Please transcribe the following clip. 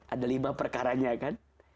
ada lima perkaranya kan